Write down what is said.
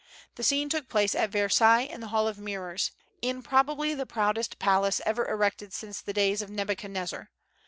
The scene took place at Versailles in the Hall of Mirrors, in probably the proudest palace ever erected since the days of Nebuchadnezzar.